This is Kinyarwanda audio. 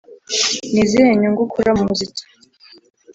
Ni izihe nyungu ukura mu muziki?